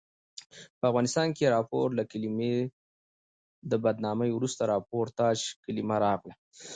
په افغانستان کښي راپور له کلمې د بدنامي وروسته راپورتاژ کلیمه راغله.